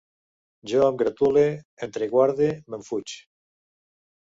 Jo em gratule, entreguarde, m'enfuig